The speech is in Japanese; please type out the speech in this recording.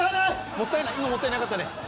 もったいない今もったいなかったね。